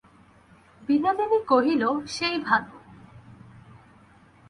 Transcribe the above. বিনোদিনী কহিল, সেই ভালো।